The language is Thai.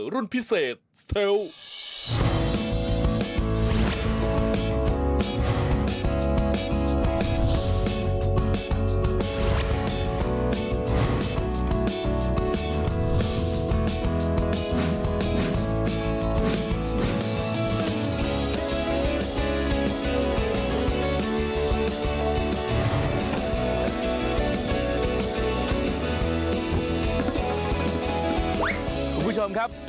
คุณผู้ชมครับ